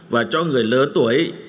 và cho người lớn tuổi